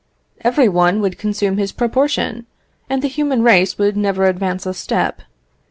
Every one would consume his proportion, and the human race would never advance a step.